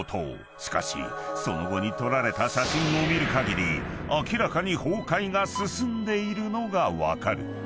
［しかしその後に撮られた写真を見るかぎり明らかに崩壊が進んでいるのが分かる］